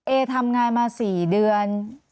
เอทำงานมา๔เดือน